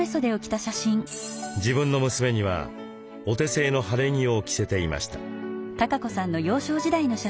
自分の娘にはお手製の晴れ着を着せていました。